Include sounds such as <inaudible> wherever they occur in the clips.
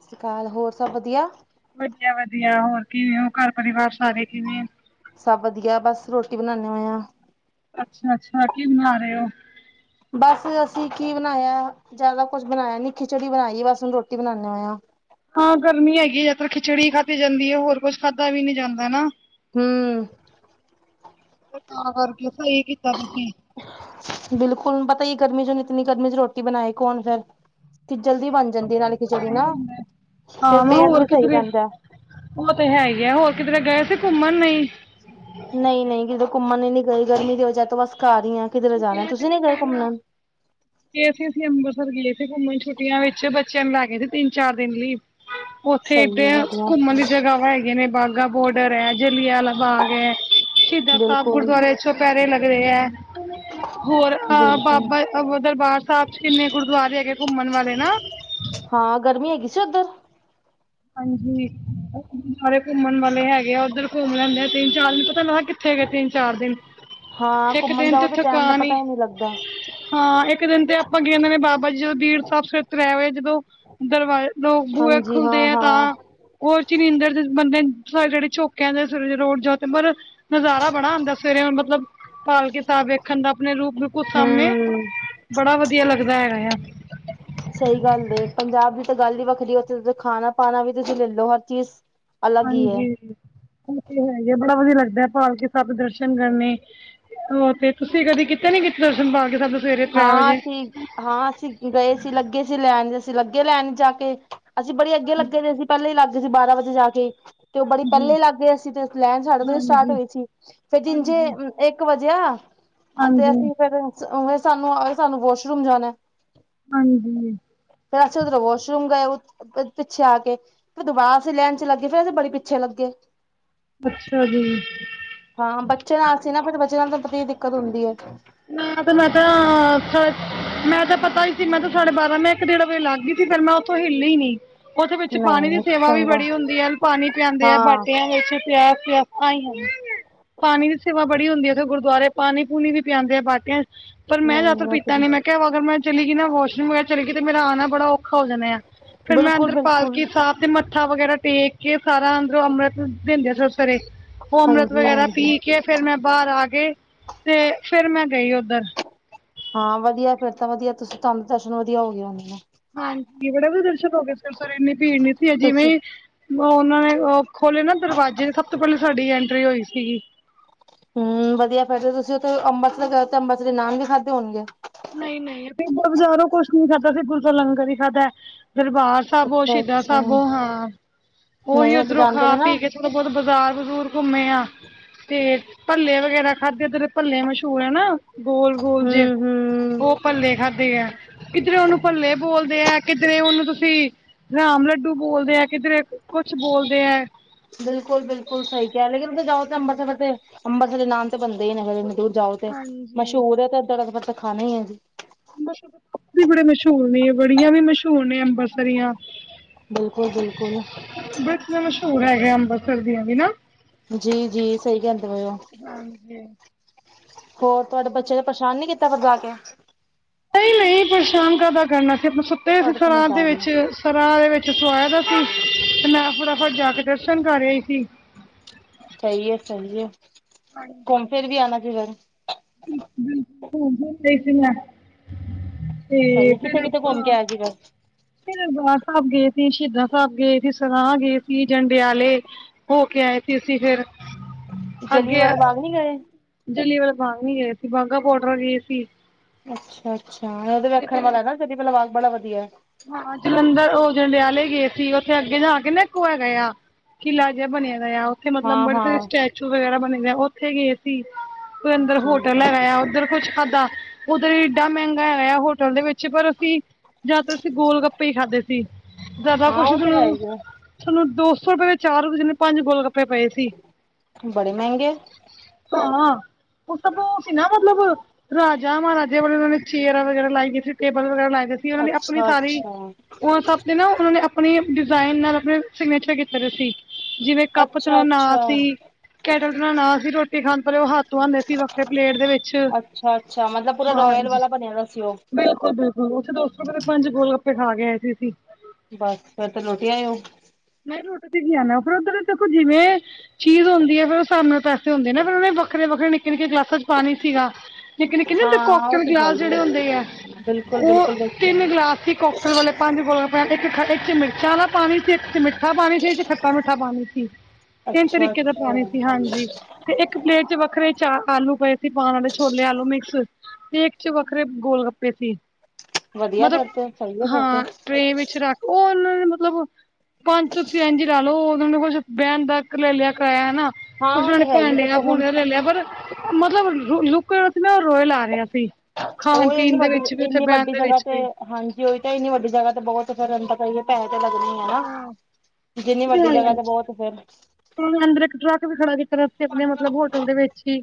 ਸਤਿ ਸ਼੍ਰੀ ਅਕਾਲ, ਹੋਰ ਸਭ ਵਧੀਆ ਵਧੀਆ ਵਧੀਆ ਹੋਰ ਕਿਵੇਂ ਹੋ ਘਰ ਪਰਿਵਾਰ, ਸਾਰੇ ਕਿਵੇਂ? ਸਭ ਵਧੀਆ, ਬਸ ਰੋਟੀ ਬਣਾਣੇ ਹੋਏ ਆ। ਅੱਛਾ ਅੱਛਾ ਕੀ ਬਨਾ ਰਹੇ ਹੋ ਬਸ ਅਸੀਂ ਕੀ ਬਣਾਇਆ ਜਿਆਦਾ ਕੁਛ ਬਣਾਇਆ ਨੀ ਖਿਚੜੀ ਬਣਾਈ ਬਸ ਹ ਰੋਟੀ ਬਣਾਉਦੇ ਹੋਏ ਆ ਹਾਂ ਗਰਮੀ ਹੈਗੀ ਹੈ ਜੇ ਤ ਖਿਚੜੀ ਖਾਧਤੀ ਜਾਂਦੀ ਹੈ ਹੋਰ ਕੁਝ ਖਾਧਾ ਵੀ ਨੀ ਜਾਂਦਾ ਹਨਾ ਹਮ ਤਾਂ ਵਰਗੀਗੀ ਬਿਲਕੁਲ ਪਤਾ ਹੀ ਗਰਮੀ ਚਨ ਇਤਨੀ ਗਰਮੀ ਸੀ ਰੋਟੀ ਬਣਾਏ ਕੌਣ ਫੇਰ ਕਿ ਜਲਦੀ ਬਣ ਜਾਂਦੀ ਨਾਲੇ ਖਿਚੜੀ ਨਾ ਫੇਿਰ ਹਾਂ ਮੈਂ ਪੇਟ ਹੋਰ ਵੀ ਸਹੀ ਕਿਧਰੇ ਰਹਿੰਦਾ ਉਹ ਤੇ ਹੈ ਹੀ ਹੈ ਹੋਰ ਕਿਧਰੇ ਗਏ ਸੀ ਘੁੰਮਣ ਲਈ ਨਹੀਂ ਨਹੀਂ ਜਦੋਂ ਘੁੰਮਣ ਨ ਨੀ ਗਏ ਗਰਮੀ ਦੀ ਵਜ੍ਹਾ ਤੋਂ ਬਸ ਘ ਹੀ ਆ ਕਿਧਰੇ ਜਾਣਾ, ਤੁਸੀਂ ਨਈ ਗਏ, ਘੁੰਮਣ ਕਿ ਅਸੀਂ ਅਸੀਂ ਅੰਮ੍ਰਿਤਸਰ, ਗਏ ਸੀ ਘੁੰਮਣ ਛੁੱਟੀਆਂ ਵਿੱਚ ਬੱਚਿਆਂ ਨੂੰ ਲੈ ਗਏ ਸੀ ਤਿੰਨ ਚਾਰ ਦਿਨ ਲਈ <unintelligible> ਉੱਥੇ, ਏ ਤੇ ਹੈ ਵਧੀਆ ਘੁੰਮਣ ਦੀ ਜਗ੍ਹਾ ਹੈਗੀਆਂ, ਨੇ ਵਹਗਾ ਬੋਡਰ, ਜਿਲਿਆਂਵਾਲਾ ਬਾਗ, ਹੈ। ਸ਼ਹੀਦਾ ਸਾਹਿਬ, ਬਿਲਕੁਲ ਗੁਰਦੁਆਰੇ ਚੋਂ -ਪਹਿਰੇ ਲੱਗਦੇ ਆ। ਹੋਰ ਬਿਲਕੁਲ ਦਰਬਾਰ ਸਾਹਿਬ ਚ, ਕਿੰਨੇ ਗੁਰਦੁਆਰੇ ਹੈਗੇ ਘੁੰਮਣ ਵਾਲੇ, ਨਾ ਹਾਂ, ਗਰਮੀ ਹੈਗੀ ਸੀ ਉੱਧਰ ਹਾਂਜੀ, ਸਾਰੇ ਘੁੰਮਣ ਵਾਲੇ ਹੈਗੇ ਆ, ਉੱਧਰ ਘੁੰਮ ਲੈਂਦੇ ਆ, ਤਿੰਨ ਚਾਰ ਦਿਨ, ਪਤਾ ਨਈ ਲੱਗਾ ਕਿੱਥੇ ਗਏ, ਤਿੰਨ ਚਾਰ ਦਿਨ ਹਾਂ, ਇੱਕ ਘੁੰਮਣ ਦਿਨ ਜਾਓ, ਤੇ ਟੈਮ ਦਾ ਥਕਾਨ ਪਤਾ ਹੀ ਨਹੀਂ ਲੱਗਦਾ। ਹਾਂ ਇੱਕ ਦਿਨ ਤੇ ਆਪਾਂ ਗਏ, ਵੀ ਬਾਬਾ ਜੀ ਜਦੋਂ ਬੀੜ ਸਾਹਿਬ ਸਵੇਰੇ ਤਰਹ ਵਜੇ ਜਦੋਂ ਦਰਵਾ ਲੋਕ, ਬੂਹੇ ਹਾਂਜੀ ਖੁਲਦੇ ਹਾਂ ਆ ਹਾਂ ਤਾਂ ਉਹ ਚ ਨਿੰਦਰ ਦੇ ਬੰਦੇ ਜਿਹੜੇ ਝੋਕਿਆਂਦੇ ਥੱਲੇ ਰੋਡ ਛੱਤ ਪਰ ਨਜ਼ਾਰਾ ਬੜਾ ਆਉਂਦਾ, ਸਵੇਰੇ ਮਤਲਬ ਪਾਲਕੀ ਸਾਹਿਬ ਵੇਖਣ ਦਾ, ਆਪਣੇ ਰੂਪ ਬਿਲਕੁਲ ਸਾਹਮਣੇ ਹੂੰ ਬੜਾ, ਵਧੀਆ ਲੱਗਦਾ ਹੈਗਾ, ਆ ਅੱਛਾ <inaudible> ਸਹੀ ਗੱਲ ਏ, ਪੰਜਾਬ ਦੀ ਤਾਂ ਗੱਲ ਹੀ ਵੱਖਰੀ ਏ, ਉੱਥੇ ਖਾਣਾ ਪਾਣਾ ਵੀ ਤੁਸੀਂ ਲੈ ਲਓ, ਹਰ ਚੀਜ਼ ਅਲੱਗ ਹੀ ਹੈ ਹਾਂਜੀ, ਏ ਤੇ ਹੈਗਾ, ਬੜਾ ਵਧੀਆ ਲੱਗਦਾ, ਪਾਲਕੀ ਸਾਹਿਬ ਦੇ ਦਰਸ਼ਨ ਕਰਨੇ। ਉਹ ਤੇ, ਤੁਸੀਂ ਕਦੀ ਕਿੱਤੇ ਨਈ ਪਾਲਕੀ ਸਾਹਿਬ ਦਰਸ਼ਨ ਹਾਂ ਅਸੀਂ, ਹਾਂ ਅਸੀਂ ਗਏ ਸੀ, ਲੱਗੇ ਸੀ ਲਾਈਨ, ਅਸੀਂ ਲੱਗੇ ਲਾਈਨ ਜਾ ਕੇ, ਅਸੀਂ ਬੜੀ, ਅੱਗੇ ਲੱਗੇ ਦੇ ਸੀਂ। ਪਹਿਲੇ ਹੀ ਲੱਗ ਗਏ ਸੀ। ਬਾਰਾਂ ਵਜੇ ਜਾ ਕੇ ਤੇ ਉਹ, ਬੜੀ ਜੀ, ਪਹਿਲੇ ਲੱਗ ਗਏ ਸੀ, ਤੇ ਲੈਣ ਸਾਡੇ ਤੋਂ, ਹੀ ਸਟਾਟ ਹਾਂਜੀ, ਹੋਈ ਸੀ। ਫੇਰ ਤੀਜੇ ਹਾਂਜੀ, ਇੱਕ ਵਜੇਿਆ, ਅਤੇ ਹਾਂਜੀ, ਅਸੀਂ ਫਿਰ ਸਾਨੂੰ ਸਾਨੂੰ ਵਾਸ਼ਰੂਮ ਜਾਣਾ। ਹਾਂਜੀ ਫੇਰ ਅਸੀ, ਉਧਰੋਂ ਵਾਸ਼ਰੂਮ ਗਏ, ਪਿੱਛੇ ਆ ਕੇ ਫਿਰ ਦੁਬਾਰਾ, ਅਸੀਂ ਲੈਣ ਚ ਲੱਗੇ, ਫੇਰ ਅਸੀਂ ਬੜੀ ਪਿੱਛੇ ਲੱਗੇ ਅੱਛਾ, ਜੀ। ਹਾਂ ਬੱਚੇ ਨਾਲ ਸੀ। ਨਾ ਫਿਰ ਬੱਚੇ ਨਾਲ ਤਾਂ ਕਿਨੀ, ਦਿੱਕਤ ਹੁੰਦੀ ਏ ਨਾ <inaudible> ਮੈ ਤਾਂ ਮੈਂ ਕਿਹਾ ਮੈਂ ਤਾਂ ਪਤਾ ਹੀ ਸੀ ਮੈਂ ਤਾਂ ਸਾਡੇ ਬਾਰਾਂ, ਮੈਂ ਇੱਕ ਡੇਢ ਵਜੇ, ਲੱਗ ਗਈ ਸੀ। ਫੇਿਰ ਮੈਂ ਉੱਥੋਂ ਹਿੱਲੀ ਹੀ ਨਈ ਉਹਦੇ ਵਿੱਚ, ਪਾਣੀ ਦੀ ਨਹੀਂ ਸੇਵਾ ਵੀ, ਚੰਗਾ ਬੜੀ ਹੁੰਦੀ ਆ ਪਾਣੀ ਪਿਆਂਦੇ ਹੈ ਹਾਂ ਬਾਟਿਆਂ ਵਿੱਚ, ਪਿਆ ਆਈ ਹਾਂ, ਪਾਣੀ ਦੀ ਸੇਵਾ ਬੜੀ ਹੁੰਦੀ ਹੈ, ਉੱਥੇ ਗੁਰਦੁਆਰੇ, ਪਾਣੀ ਪੂਣੀ ਵੀ ਪਿਆਉਂਦੇ ਆ, ਬਟਾਈ ਪਰ ਮੈਂ ਜਾਂ ਤ ਪੀਤਾ ਨਹੀਂ ਨ, ਮੈਂ ਕਿਹਾ ਅਗਰ ਮੈਂ ਚਲੀ ਗੀ ਨਾ ਵਾਸਰੋਮ, ਮੈ ਚੱਲੀ ਗਈ ਤੇ ਮੇਰਾ ਆਣਾ, ਬੜਾ ਹੋ, ਜਾਂਣੇ ਆ, ਫੇਿਰ ਮੈਂ ਬਿਲਕੁਲ ਬਿਲਕੁਲ ਅੰਦਰਪਾਲਕੀ ਸਾਬ ਤੇ, ਮੱਥਾ ਵਗੈਰਾ ਟੇਕ ਕੇ, ਸਾਰਾ ਅੰਦਰੋਂ ਅੰਮ੍ਰਿਤ ਦਿੰਦੇ, ਆ ਸਵੇਰੇ ਅੰਮ੍ਰਿਤ ਹਾਂਜੀ ਵਗੈਰਾ ਪੀ ਹਾਂਜੀ ਕੇ, ਫਿਰ ਮੈਂ ਬਾਹਰ ਆ ਕੇ, ਤੇ ਫਿਰ ਮੈਂ ਗਈ ਉੱਧਰ ਹਾਂ ਵਧੀਆ, ਫੇਿਰ ਤਾਂ ਵਧੀਆ, ਤੁਹਾਨੂੰ ਦਰਸ਼ਨ ਵਧੀਆ ਹੋ ਗਏ, ਆਦੇ ਹਾਂਜੀ, ਬੜੇ ਵਧੀਆ, ਦਰਸਨ ਹੋ ਗਏ, ਉਸ ਟਾਈਮ ਇੰਨੀ ਭੀੜ ਨਈ ਸੀ। ਜਿਵੇਂ ਤੁਸੀਂ ਉਹਨਾਂ ਨੇ ਖੋਲੇ ਨਾ ਦਰਵਾਜ਼ੇ ਸਭ ਤੋਂ ਪਹਿਲੇ ਸਾਡੀ ਐਂਟਰੀ ਹੋਈ ਸੀਗੀ। ਹਮ ਵਧੀਆ ਤੁਸੀਂ ਉੱਥੇ ਅੰਮ੍ਰਿਤਸਰ ਅੰਮ੍ਰਿਤਸਰ ਦੇ ਨਾਨ ਵੀ ਖਾਧੇ ਹੋਣਗੇ। ਨਹੀਂ ਨਹੀਂ ਫਦ ਬਜ਼ਾਰੋਂ ਕੁਛ ਨੀ ਖਾਧਾ ਦੂਸਰਾ ਲੰਗਰ ਹੀ ਖਾਧਾ। ਦਰਬਾਰ ਸਾਹਿਬੋ, ਅੱਛਾ ਸ਼ਹੀਦਾਂ ਅੱਛਾ ਸਾਹਿਬੋ, ਹਾਂ ਉਹੀ, ਨਹੀਂ ਉੱਥੇ ਉੱਧਰੋਂ ਜਾਂਦੇ ਖਾ ਨੇ ਨਾ ਪੀ ਕੇ ਥੋੜਾ ਬਹੁਤਾ ਬਾਜ਼ਾਰ ਬਜ਼ੂਰ ਘੁੰਮੇ, ਆ ਤੇ ਭੱਲੇ ਵਗੈਰਾ ਖਾਧੇ, ਏਧਰ ਦੇ ਭੱਲੇ ਮਸ਼ਹੂਰ ਹੈਨਾ ਗੋਲ ਗੋਲ ਜਿਹੇ ਹੁੰ ਉਹ ਭੱਲੇ ਖਾਧੇ, ਆ ਕਿੱਧਰੇ, ਉਹਨੂੰ ਭੱਲੇ ਬੋਲਦੇ ਆ, ਕਿੱਧਰੇ ਉਹਨੂੰ ਤੁਸੀਂ ਰਾਮ ਲੱਡੂ ਬੋਲਦੇ ਐ, ਕਿਧਰੇ ਕੁੱਛ ਬੋਲਦੇ ਐ ਬਿਲਕੁਲ ਬਿਲਕੁਲ ਸਹੀ ਕਿਹਾ ਲੇਕਿਨ ਅੰਦਰ ਜਾਓ ਤੇ, ਅੰਮ੍ਰਿਤਸਰ -ਅੰਮਿਤਸਰ ਦੇ ਨਾਮ ਤੇ ਬੱਣਦੇ ਹੀ ਨੇ ਏਹੋ ਜਿਹੇ ਲੱਡੂ। ਜਾਓ ਤੇ, ਹਾਂਜੀ ਮਸ਼ਹੂਰ ਹੈ ਤੇ, ਦੜਾ ਦੜ ਤਾਂ ਖਾਣੇ ਏ ਜੀ। ਉਥੋਂ ਦੇ ਪਾਪੜ, ਵੀ ਬੜੇ ਮਸ਼ਹੂਰ ਨੇ ਵੜੀਆਂ ਵੀ, ਮਸ਼ਹੂਰ ਨੇ ਅੰਬਰਸਰੀਆਂ ਬਿਲਕੁਲ ਬਿਲਕੁਲ ਬਸ ਨਾ ਮਸ਼ਹੂਰ ਹੈ ਅੰਮ੍ਰਿਤਸਰ ਦੀਆਂ ਵੀ ਨਾ। ਜੀ ਜੀ ਸਹੀ ਕਹਿੰਦੇ ਪਏ ਉਹ ਹਾਂਜੀ ਹੋਰ ਤੁਹਾਡੇ ਬੱਚੇ ਨੇ ਪਰੇਸ਼ਾਨ ਨੀ ਕੀਤਾ ਜਾਕੇ। ਨਹੀਂ ਨਹੀਂ ਪਰੇਸ਼ਾਨ ਕਾਦਾ ਕਰਨਾ ਸੀ ਆਪਣੇ ਸੁੱਤੇ ਦੇ ਤੁਹਾਡੇ ਸਰਾਂ ਸਮਝਦਾਰ ਨੇ ਵਿੱਚ। ਸਰਾਂ ਦੇ ਵਿੱਚ ਸਵਾਇ ਦਾ ਸੀ ਮੈਂ ਫਟਫਟ ਜਾ ਕੇ ਦਰਸ਼ਨ ਕਰ ਆਈ ਸੀ। ਸਹੀ ਹੈ ਸਹੀ ਹੈ ਘੁੰਮ ਫੇਰ ਵੀ ਆਉਣਾ ਸੀ। ਬਿਲਕੁਲ ਘੂਮ ਰਹੀ ਸੀ ਮੈਡਮ ਤੇ ਸਹੀ ਕਿੱਥੇ ਫੇਰ ਕਿੱਥੇ ਆਪਾਂ <inaudible> ਫੇਰ ਦਰਬਾਰ ਸਾਹਿਬ ਗਏ ਸੀ ਸ਼ਹੀਦਾਂ ਸਾਹਿਬ ਗਏ ਸੀ ਸਰਾਂ ਗਏ ਸੀ ਜੰਡਿਆਲੇ ਹੋ ਕੇ ਆਏ ਸੀ ਅਸੀਂ ਫੇਰ ਜਲੀਆਂ ਵਾਲੇ ਬਾਗ ਨਹੀਂ ਗਏ। ਜੱਲਲੀ ਵਾਲੇ ਬਾਗ ਨੀ ਗਏ ਸੀ ਬਾਹਘਾ ਵੋਹਡਰ ਗਏ ਸੀ। ਅੱਛਾ ਅੱਛਾ ਉਹਤਾਂ ਵੇਖਣ ਵਾਲਾ ਨਾ ਬੜਾ ਵਧੀਆ। ਹਾਂ ਜਲੰਧਰ ਓ ਜੰਡਿਆਲੇ ਗਏ ਸੀ ਉੱਥੇ ਅੱਗੇ ਜਾ ਕੇ ਨਾ ਇੱਕ ਹੈ ਗ ਕਿਲਾ ਜਿਹਾ ਬਣਿਆ ਹੋਇ ਉੱਥੇ ਮਤਲਬ ਹਾਂ ਬੜੇ ਸਾਰੇ ਹਾਂ ਸਟੈਚੂ ਵਗੈਰਾ ਬਣੇ ਹੋ ਉੱਥੇ ਗਏ ਸੀ। ਅੰਦਰ ਠੀਕ ਹੋਟਲ ਹੈ, ਹੈਗਾ ਆ ਉੱਧਰ ਕੁਛ ਖਾਧਾ ਉੱਧਰ ਏਡਾ ਮਹਿੰਗਾ ਹੈਗਾ ਆ ਹੋਟਲ ਦੇ ਵਿੱਚ ਪਰ ਅਸੀਂ ਜ਼ਿਆਦਾਤਰ ਗੋਲ ਗੱਪੇ ਹੀ ਖਾਧਦੇ ਸੀ ਜਿਆਦਾ ਹਾਂ ਕੁਛ ਉਹ ਤੇ ਹੈ ਤੁਹਾਨੂੰ ਹੀ ਹੈ ਤੁਹਾਨੂੰ ਦੋ ਸੋ ਰੁਪਏ ਦੇ ਚਾਰ ਜਿਨੇ ਪੰਜ ਗੋਲ ਗੱਪੇ ਪਏ ਸੀ ਬੜੇ ਮਹਿੰਗੇ ਹਾਂ ਉਹ ਸਭ ਸੀ ਨਾ ਮਤਲਬ ਰਾਜਾ ਮਹਾਰਾਜਿਆਂ ਵਾਲੋਂ ਉਹਨਾਂ ਨੇ ਚੇਹਰਾਾਂ ਵਗੈਰਾ ਲਾਈ ਗਈ ਸੀ ਟੇਬਲ ਵਗੈਰਾ ਲਾਏ ਸੀ ਉਹਨਾਂ ਆਪਣੀ ਅੱਛਾ ਸਾਰੀ ਅੱਛਾ ਉਹ ਸਭ ਨਾ ਉਹਨਾਂ ਨੇ ਆਪਣੇ ਡਿਜ਼ਾਇਨ ਨਾਲ ਆਪਣੇ ਸਿਗਨੇਚਰ ਕੀਤੇ ਸੀ। ਜਿਵੇਂ ਕੱਪ ਅੱਛਾ ਦਾ ਨਾ ਅੱਛਾ ਸੀ ਕੈਟਲ ਬਣਾਉਣਾ ਸੀ ਰੋਟੀ ਖਾਣ ਪਰ ਉਹ ਹੱਥ ਧਉਦੇ ਸੀ ਵੱਖਰੇ ਪਲੇਟ ਦੇ ਵਿੱਚ ਅੱਛਾ ਅੱਛਾ ਮਤਲਬ ਪੂਰਾ ਰੋਇਲ ਵਾਲਾ ਬਣਿਆਦਾ ਸੀ ਉਹ ਉਸ ਤੋਂ ਪਹਿਲਾਂ ਪੰਜ ਗੋਲ ਗੱਪੇ ਖਾ ਗਏ ਆਏ ਸੀ ਅਸੀਂ ਬਸ ਫੇਰ ਤੇ ਰੋਟੀ ਆਏ ਹੋ <inaudible> ਚੀਜ਼ ਹੁੰਦੀ ਹੈ ਫਿਰ ਉਹ ਸਾਹਣੇ ਪੈਸੇ ਹੁੰਦੇ ਨਾ ਫੇਰ ਉਹਨੇ ਵੱਖਰੇ ਵੱਖਰੇ ਨਿੱਕੇ ਨਿੱਕੇ ਗਲਾਸਾਂ ਚ ਪਾਣੀ ਸੀਗਾ। ਨਿੱਕੇ ਨਿੱਕੇ ਨ ਹੁੰਦੇ ਹਾਂ ਉਹ ਕਰੋਕਰੀ ਤੇ ਹੈ ਗਿਲਾਸ ਹੀ ਜਿਹੜੇ ਹੈ ਹੁੰਦੇ ਆ ਬਿਲਕੁਲ ਬਿਲਕੁਲ ਉਹ ਵੇਖਿਆ ਤਿੰਨ ਗਿਲਾਸ ਸੀ ਕਰੋਕਰੀ ਵਾਲੇ ਪੰਜ ਗੋਲ ਗਪੇ ਇੱਕ ਇੱਕ ਚ ਮਿਰਚਾਂ ਵਾਲਾ ਪਾਣੀ ਸੀ ਇੱਕ ਚ ਮਿੱਠਾ ਪਾਣੀ ਸੀ ਇੱਕ ਖੱਟਾ ਮਿੱਠਾ ਪਾਣੀ ਸੀ। ਤਿੰਨ ਅੱਛਾ ਤਰੀਕੇ ਦਾ ਅੱਛਾ ਪਾਣੀ ਸੀ ਹਾਂਜੀ ਤੇ ਇੱਕ ਪਲੇਟ ਚ ਵੱਖਰੇ ਚਾ ਆਲੂ ਪਏ ਸੀ ਪਾਉਣ ਵਾਲੇ ਛੋਲੇ ਆਲੂ ਮਿਕਸ ਤੇਕ ਚ ਵੱਖਰੇ ਗੋਲ ਗੱਪੇ ਸੀ ਵਧੀਆ ਫਿਰ ਤੇ ਸਹੀ ਹੈ ਮਤਲਬ ਫਿਰ ਤੇ ਹਾਂ ਟਰੇਨ ਵਿੱਚ ਰੱਖ ਉਹ ਉਹਨਾਂ ਨੇ ਮਤਲਬ ਪੰਜ ਤੁਸੀਂ ਇਝ ਲਾ ਲਓ ਉਹਨਾਂ ਕੁਛੱ ਬਹਨ ਦਾ ਲੈ ਲਿਆ ਕਰਾਇਆ ਹਨਾ <inaudible> ਹਾਂ ਮੈਂ ਉਹ ਤੇ ਹੈ ਹੀ ਦੇਖੋ ਉਹ ਹੁਣ ਰੋਏ ਲਾ ਰਿਹਾ ਸੀ ਖਾਣ ਉਹ ਇੰਨੀ ਪੀਣ ਦੇ ਵਿੱਚ ਵੀ ਉੱਥੇ ਬਹਿਣ ਦੇ ਵਿੱਚ ਵੀ ਈ ਤਾਂ ਹੀ ਨੀ ਵੱਡੀ ਜਗ੍ਹਾ ਬਹੁਤ ਫਿਰ ਪਤਾਏ ਪੈਸੇ ਤੇ ਲੱਗਣੇ ਹੀ ਹੈਾ ਜਿੰਨੀ ਵੱਡੀ ਜਗ੍ਹਾ ਤੇ ਬਹੁਤ ਫੇਿਰ ਉਹਨੇ ਅੰਦਰ ਇੱਕ ਟਰੱਕ ਵੀ ਖੜਾ ਕੀਤਾ ਆਪਣੇ ਮਤਲਬ ਹੋਟਲ ਦੇ ਵਿੱਚ ਹੀ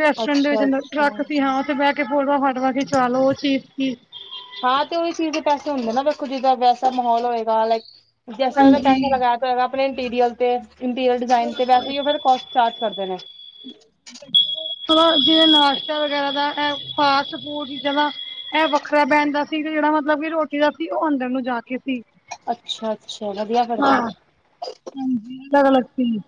ਰੈਸਟੋਰੈਂਟ ਦੇ ਅੱਛਾ ਅੰਦਰ ਅੱਛਾ ਟਰੱਕ ਸੀ ਹਾਂ ਉੱਥੇ ਬਹਿ ਕੇ ਫੋਟੋ ਫਾਟਵਾ ਚਲ ਉਹ ਚੀਜ਼ ਕੀ ਹਾਂ ਤੇ ਉਹੀ ਚੀਜ਼ ਦੇ ਪੈਸੇ ਹੁੰਦੇ ਨਾ ਵੇਖੋ ਜਿੱਦਾਂ ਵੈਸਾ ਮਾਹੌਲ ਹੋਏਗਾ ਲਾਈਕ ਜੈਸਾ ਉਹਦਾ ਪੈਸਾ ਲਗਾਇਆ ਆਪਣੇ ਇੰਟੀਰੀਅਲ ਤੇ ਇੰਟੀਰੀਅਰ ਡਿਜ਼ਾਇਨ ਤੇ ਵੈਸੇ ਹੀ ਉਹ ਫਿਰ ਕੋਸਟ ਚਾਰਜ ਕਰਦੇ ਨੇ ਜਿਵੇਂ ਨਾਸ਼ਤਾ ਵਗੈਰਾ ਦਾ ਫਾਸਟ ਫੂਡ ਦਾ ਇਹ ਵੱਖਰਾ ਬਹਿਣ ਦਾ ਸੀ ਤੇ ਜਿਹੜਾ ਮਤਲਬ ਕਿ ਰੋਟੀ ਦਾ ਸੀ ਉਹ ਅੰਦਰ ਨੂੰ ਜਾ ਕੇ ਸੀ ਅੱਛਾ ਅੱਛਾ ਵਧੀਆ ਫੇਰ ਤਾਂ ਹਾਂਜੀ ਅਲਗ ਅਲੱਗ ਸੀ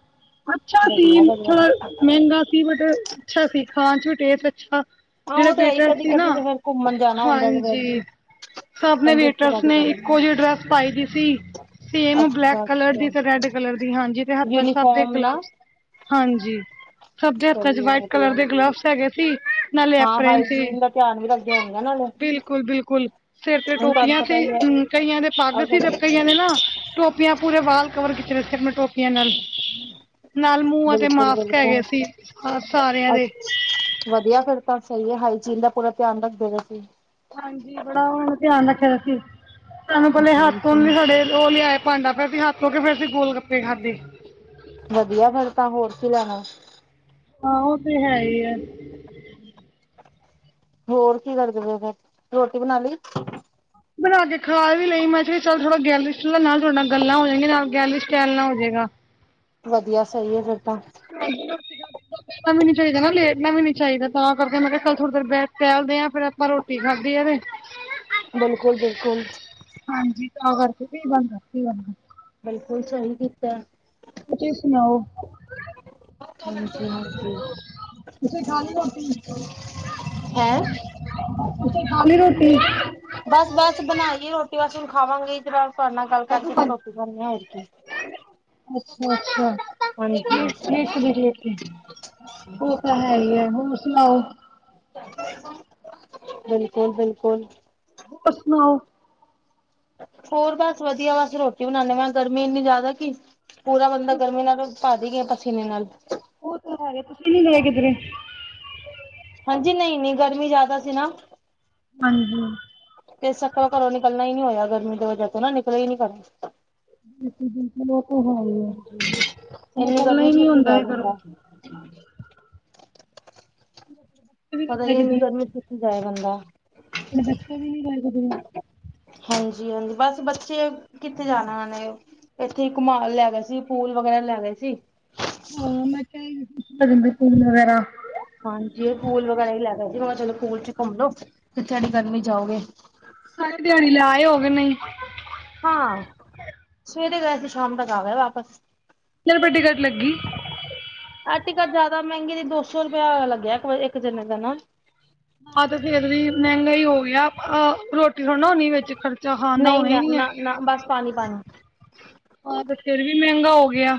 ਅੱਛਾ ਸੀ ਵਧੀਆ ਵਧੀਆ ਥੋੜਾ ਫਿਰ ਮਹਿੰਗਾ ਸੀ ਬਟ ਅੱਛਾ ਸੀ ਖਾਣ ਚ ਵੀ ਟੇਤ ਅੱਛਾ ਹਾਂ ਜਿਹੜਾ ਉਹ ਤੇ ਹੈ ਹੀ ਬੇਟਾ ਕਦੀ ਸੀ ਨਾ ਕਦੀ ਤੇ ਫਿਰ ਘੁੰਮਣ ਜਾਣਾ ਹੁੰਦਾ ਤੇ ਫਿਰ ਹਾਂਜੀ ਸਭ ਨੇ ਤੰਦਰੁਸਤੀ ਵੇਟਰਸ ਕਾਫ਼ੀ ਨੇ ਕਰਨੀ ਹੈ ਇੱਕੋ ਜਿਹੀ ਡਰੈਸ ਪਾਈ ਦੀ ਸੀ ਸੇਮ ਬਲੈਕ ਅੱਛਾ ਕਲਰ ਦੀ ਅੱਛਾ ਰੈਡ ਕਲਰ ਦੀ ਹਾਂਜੀ ਤੇ ਹੱਥਾਂਬ ਦੇ ਯੂਨੀਫਾਰਮ ਨਾ ਗਲਬਸ ਹਾਂਜੀ ਸਭ ਦੇ ਹੱਥਾਂ ਚ ਸਹੀ ਹੈ ਵਾਈਟ ਕਲਰ ਵਧੀਆ ਦੇ ਗਲਵਸ ਹੈਗੇ ਸੀ ਹਾਂ ਨਾਲੇਪਰੇਨ ਸੀ ਹਾਈਜੀਨ ਦਾ ਧਿਆਨ ਵੀ ਰੱਖਦੇ ਹੋਣਗੇ ਨਾਲੇ ਬਿਲਕੁਲ ਬਿਲਕੁਲ ਸਿਰ ਤੇ ਹੁਣ ਤੁਹਾਨੂੰ ਟੋਪੀਆਂ ਸੀ ਪਤਾ ਹੀ ਹੈ ਹ ਕਈਆਂ ਦੇ ਪੱਗ ਸੀ ਅਗਰ ਤੇ ਕਈਆਂ ਦੇ ਨਾ ਟੋਪ ਪੂਰੇ ਵਾਲਾਲ ਕਵਰ ਕੀਿੱਚ ਰਹੇ ਸੀ ਆਪਣੇ ਟੋਪ ੀਆਂ ਨਾਲ ਨਾਲ ਮੂੰਹਾਂ ਤੇ ਬਿਲਕੁਲ ਮਾਸਕ ਹੈਗੇ ਬਿਲਕੁਲ ਸੀ ਸਾਰਿਆਂ ਦੇ ਅੱਛ ਵਧੀਆ ਫਿਰ ਤਾਂ ਸਹੀ ਹੈ ਹਾਈਜੀਨ ਦਾ ਪੂਰਾ ਧਿਆਨ ਰੱਖਦੇ ਰਸੀਂ ਹਾਂਜੀ ਬੜਾ ਉਹ ਧਿਆਨ ਰੱਖਿਆ ਦਾ ਸੀ ਸਾਨੂੰ ਪਹਿਲੇ ਤੁਸੀਂ ਜੀ ਹੱਥ ਜੀ ਨੀ ਸਾਡੇ ਉਹ ਲਿਆਏ ਭਾਂਡਾ ਪਿਰ ਅਂ ਹੱਥ ਧ ਕੇ ਫੇਿਰ ਅਸੀਂ ਗੋਲ ਗੱਪੇ ਖਾਧੇ ਵਧੀਆ ਫੇਿਰ ਤਾਂ ਹੋਰ ਕੀ ਲੈਣਾ ਵ ਹਾਂ ਉਹ ਤੇ ਹੈ ਹੀ ਹੈ ਹੋਰ ਕੀ ਕਰਦੇ ਫ ਫਿਰ ਰੋਟੀ ਬਣਾ ਲਈ ਬਣਾ ਕੇ ਖਾ ਵੀ ਲਈ ਮੈਂ ਕਿਹਾ ਚੱਲ ਥੋੜਾ ਗੈਲਰੀ ਨਾਲ ੋਡੇ ਨਾਲ ਗੱਲਾਂ ਹੋ ਜਾਣਆਂ ਨਾਲ ਗੈਲਰੀ ਚਟੈਲ ਨਾਲ ਹੋ ਜਾਵੇਗਾ ਵਧੀਆ ਸਹੀ ਹੈ ਫਿਰ ਤਾਂ ਹਾਂਜੀ <unintelligible> ਲਣਾ ਵੀ ਨੀ ਚਾਹੀਦਾ ਨਾ ਲੇਟਣਾ ਵੀ ਨੀ ਚਾਹੀਦਾ ਤਾਂ ਕਰਕੇ ਮੈਂ ਕਿਹਾ ਕੱਲ ਥੋੜ੍ਹੀ ਦੇਰ ਬ ਕਹਿਦੇ ਹ ਆ ਫੇਰ ਆਪਾਂ ਰੋਟੀ ਖਾਧ ਆ ਤੇ ਬਿਲਕੁਲ ਬਿਲਕੁਲ ਹਾਂਜੀ ਤਾਂ ਕਰਕੇ ਕੀ ਬਣਦਾ ਕੀ ਬਣਦਾ ਬਿਲਕੁਲ ਸਹੀ ਕੀਤਾ ਤੁਸੀਂ ਸੁਣਾਓ ਸੁ ਤੁਸੀੇ ਖਣੀ ਰੋਟੀ ਅੱਛ ਹੈਂ ਸੀ ਰੋਟੀ ਬਸ ਬਸ ਬਣਾਈਏ ਰੋਟੀ ਬਸ ਹੁਣ ਖਾਵਾਂਗੇ ਇ ਤਰ ਤੁਹਾਡੇ ਨਾਲ ਗੱਲ ਕਰਕੇ ਫ ਰੋਟੀ ਬਨੀ ਹੋਗੀ ਅੱਛਾ ਅੱਛਾ ਬ ਹਾਂ ਉਹ ਤਾਂ ਹੈ ਹੀ ਹੈ ਹੋਰ ਸੁਣਾਓ ਬਿਲਕੁਲ ਬਿਲਕੁਲ ਪਰ ਸੁਣਾਓ ਹੋਰ ਬਸ ਵਧੀਆ ਬਸ ਰੋਟੀ ਬਣਾਦੇ ਮਾਂ ਗਰਮੀ ਇੰਨੀ ਜ਼ਿਆਦਾ ਕਿ ਪੂਰਾ ਬੰਦਾ ਗਰਮੀ ਨਾਲ ਪਾ ਦੇ ਗਏ ਪਸੀਨੇ ਨਾਲ ਉਹ ਤਾਂ ਹੈਗੇ ਤੁਸੀਂ ਨੀ ਗਏ ਕਿਧਰੇ ਹਾਂਜੀ ਨਹੀਂ ਨਹੀਂ ਗਰਮੀ ਜ਼ਿਆਦਾ ਸੀ ਨਾ ਹਾਂਜੀ ਤੇ ਸੱਕਰ ਘਰੋਂ ਨਿਕਲਣਾ ਹੀ ਨੀ ਹੋਇਆ ਗਰਮੀ ਦੇ ਵਜਾ ਤੋਂ ਨਾ ਨਿਕਲ ਹੀ ਨੀ ਘ ਇੰਨੀ ਗਰਮੀ ਚ ਕਿੱਥੇ ਜਾ ਜਾਂਦਾ ਹਠ ਪਤਾ ਹੀ ਇੰਨੀ ਗਰਮੀ ਚ ਕਿੱਥੇ ਜਾਏ ਬੰਦਾ ਦੇਖ ਵੀ ਲੱਗ ਹਾਂਜੀ ਹਾਂਜੀ ਬਸ ਬੱਚੇ ਕਿੱਥੇ ਜਾਣਾ ਉਹੇ ਉਹ ਇੱਥੇ ਇੱਕਮਾਲ ਲੈ ਗਏ ਸੀ ਫੂਲ ਵਗੈਰਾ ਲੈ ਗਏ ਸੀ ਹਾਂ ਮੈਂ ਕਿਹਾਨ ਵਗੈਰਾ ਹਾਂਜੀ ਪੂਲ ਵਗੈਰਾ ਵੀ ਲੈ ਗ ਸੀ ਹ ਚਲੋ ਪੂਲ ਚ ਘੁੰਮ ਲੋੋ ਫਥੇਡੀ ਗਰਮੀ ਜਾਓਗੇ ਸਾਰੇ ਦਿਹਾੜੀ ਲਾਏ ਹੋਗੇ ਨਹੀਂ ਹਾਂ ਸਵੇਰੇ ਗਏ ਸੀ ਸ਼ਾਮ ਤੱਕ ਆ ਗਿਆ ਵਾਪਸ ਚਿਰ ਵੱਡੀ ਗੱਟ ਲੱਗੀ ਅੱਜ ਕੱਲ੍ਹ ਜ਼ਿਆਦਾ ਮਹਿੰਗੇ ਦੀ ਦੋ ਸੌ ਰੁਪਇਆ ਲੱਗਿਆ ਇੱਕ ਇੱਕ ਜਣੇੇ ਦਾ ਨਾ ਆ ਤੇ ਫੇਿਰ ਵੀ ਮਹਿੰਗਾਈ ਹੋ ਗਿਆ ਰੋਟੀ ਥੋੜ੍ਹਾ ਣੀ ਵਿੱਚ ਖਰਚਾ ਖਾਣ ਦਾ ਨਹੀਂ ਹੋਣਾ ਹੀ ਨਾ ਨਹੀਂੀ ਹੈ ਨਾ ਨਾ ਬਸ ਪਾਣੀ ਪਾਣੀ ਆਹ ਤੇ ਫਿਰ ਵੀ ਮਹਿੰਗਾ ਹੋ ਗਿਆ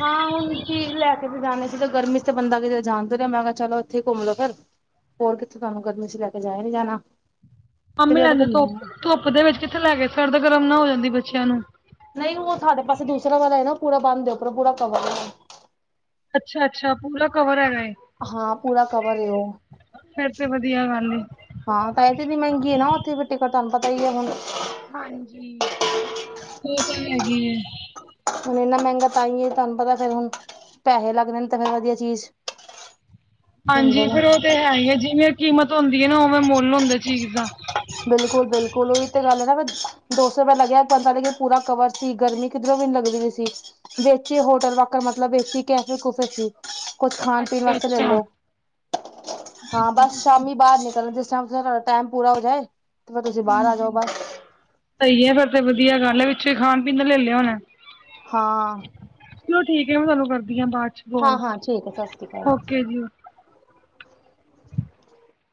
ਹਾਂ ਹੁਣ ਚੀ ਲੈ ਕੇ ਵੀ ਜਾਣੇ ਸੀ ਤੇ ਗਰਮੀ ਚ ਤੇ ਬੰਦਾ ਕਿਤੇ ਜਾਣਦਾ ਰਿਹਾ ਮੈਂ ਕਿਹਾ ਚਲੋ ਇੱਥੇ ਘੁੰਮ ਲੋੋ ਫੇਿਰ ਹੋਰ ਕਿੱਥੇ ਤੁਹਾਨੂੰ ਗਰਮੀ ਚ ਲੈ ਕੇ ਜਾਇਆ ਨੀ ਜਾਣਾ ਤੇ ਆਮੇ ਜਦੋਂ ਆਦੇ ਘੁੰਮਣਾ ਹੀ ਧੁੱਪ ਹੈ ਧੁੱਪ ਦੇ ਵਿੱਚ ਕਿੱਥੇ ਲੈ ਕੇ ਸਰਦ ਗਰਮ ਨਾ ਹੋ ਜਾਂਦੀ ਬੱਚਿਆਂ ਨੂੰ ਨਹੀਂ ਉਹ ਸਾਡੇ ਪਾਸੇ ਦੂਸਰਰਾ ਵਾਲਾ ਹੈ ਨਾ ਪੂਰਾ ਬੰਨਦੇ ੱਪਰੋਂ ਪੂਰਾ ਕਵਰ ਅੱਛਾ ਅੱਛਾ ਪੂਰਾ ਕਵਰ ਹੈਗਾ ਇਹ ਹਾਂ ਪੂਰਾ ਕਵਰ ਉਹ ਫੇਰ ਤੇ ਵਧੀਆ ਗੱਲ ਏ। ਹਾਂ ਤਾਂ ਇਹ ਤੇ ਇੰਨੀ ਮਹਿੰਗੀ ਹੈ ਨਾ ਉੱਥੇ ਫੇਟੇਕਟ ਤੁਹਾਨੂੰ ਪਤਾ ਹੀ ਹੈ ਹੁਣ ਹਾਂਜੀ ਹੋ ਤਾਂ ਹੈਗੇ ਹੈ ਹੁਣ ਇੰਨਾ ਮਹਿੰਗਾ ਤਾਈਏ ਤੁਹਾਨੂੰ ਪਤਾ ਫਰ ਹੁਣ ਪੈਸੇ ਲੱਗਣੇ ਨੇ ਤਾਂ ਫਿਰ ਵਧੀਆ ਚੀਜ਼ ਦਿੰਦੇ ਹਾਂਜੀ ਨੇ ਫੇਿਰ ਉਹ ਤੇ ਹੈ ਹੀ ਹੈ ਜਿਵੇਂ ਕੀਮਤ ਹੁੰਦੀ ਹੈ ਨਾ ਉਵੇਂ ਮੁੱਲ ਹੁੰਦਾ ਚੀਜ਼ ਦਾ ਬਿਲਕੁਲ ਬਿਲਕੁਲ ਉਹੀ ਤੇ ਗੱਲ ਹੈ ਨਾ ਦੋ ਸੌੁਇਆ ਲੱਗਿਆ ਪੰਦਾ ਲੇਕਿਨ ਪੂਰਾ ਕਵਰ ਸੀ ਗਰਮੀ ਕਿਧਰੋਂ ਵੀੈਨੂੰ ਲੱਗਦੀ ਸੀ ਵੇਚੀ ਹੋਟਲ ਵਾਕਰ ਮਤਲਬ ਵੇਚੀ ਕੈਫੇ ਕੂਫੇ ਸੀ ਕੁਛ ਖਾਣ ਪੀਣ ਅੱਛਾ ਵਾਸਤੇ ਲੈ ਅੱਛਾ ਲੋ ਹਾਂ ਬਸ ਸ਼ਾਮੀ ਬਾਹਰ ਨਿਕਲਣ ਜ ਤੁਹਾਡਾ ਟਾਈਮ ਪੂਰਾ ਹੋ ਜਾਏ ਫਿਰ ਤੁਸੀਂ ਬਾਹਰ ਆ ਜਾਓ ਬਸ ਸਹੀ ਹੈ ਫਿਰ ਤੇ ਵਧੀਆ ਗੱਲ ਹੈ ਵਿੱਚਛੇ ਖਾਣ ਪੀਣ ਲੈ ਲਿਆ ਹੋਣਾ ਹਾਂ ਚਲੋ ਠੀਕ ਹੈ ਮੈਂ ਤੁਹਾਨੂੰ ਕਰਦੀ ਹਾਂ ਬਾਅਦ ਚ ਹਾਂ ਬੋਲ ਹਾਂ ਠੀਕ ਹੈ ਸਤਿ ਸ਼੍ਰੀ ਅਕਾਲ ਓਕੇ ਜੀ